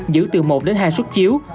giữ từ một đến hai suất chiếu